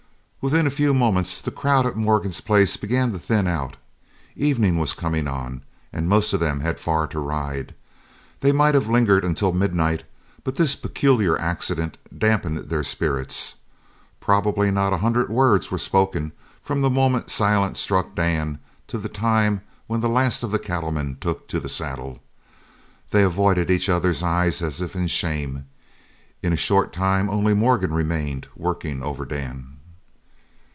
Within a few moments the crowd at Morgan's place began to thin out. Evening was coming on, and most of them had far to ride. They might have lingered until midnight, but this peculiar accident damped their spirits. Probably not a hundred words were spoken from the moment Silent struck Dan to the time when the last of the cattlemen took to the saddle. They avoided each other's eyes as if in shame. In a short time only Morgan remained working over Dan.